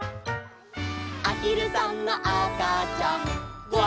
「あひるさんのあかちゃんグワグワ」